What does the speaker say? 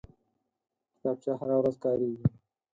کتابچه هره ورځ کارېږي